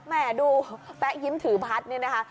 แหม่ดูไปยิ้มถือพัดเนี่ยนะคะ